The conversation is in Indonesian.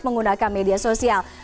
menggunakan media sosial